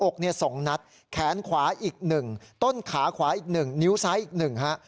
อกเนี่ย๒นัดแขนขวาอีก๑ต้นขาขวาอีก๑นิ้วซ้ายอีกหนึ่งฮะ